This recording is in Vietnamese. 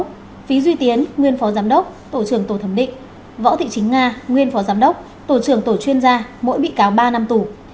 phí duy tiến nguyên phó giám đốc tổ trưởng tổ thẩm định võ thị chính nga nguyên phó giám đốc tổ trưởng tổ chuyên gia mỗi bị cáo ba năm tù